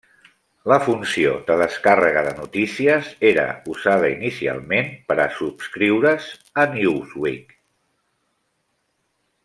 La funció de descàrrega de notícies, era usada inicialment per a subscriure's a Newsweek.